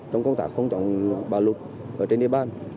trong công tác không chọn bà lục ở trên địa bàn